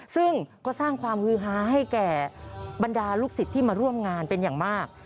ซึ่งก็สร้างความฮือฮาให้แก่บรรดาลูกศิษย์ที่มาร่วมงานเป็นอย่างมาก